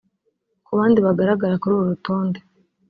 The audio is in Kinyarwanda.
Ku bandi bagaragara kuri uru rutonde